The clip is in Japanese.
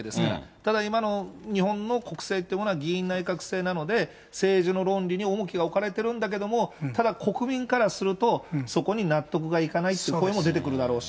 ただ、今の日本の国政ってものは、議院内閣制なので、政治の論理に重きが置かれてるんだけれども、ただ国民からすると、そこに納得がいかないっていう声も出てくるだろうし。